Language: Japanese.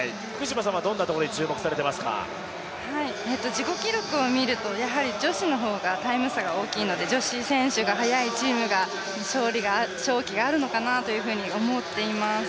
自己記録を見ると女子の方がタイム差が大きいので女子選手が速いチームが勝機があるのかなと思っています。